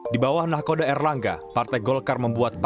di bawah nakoda erlangga partai golkar membuat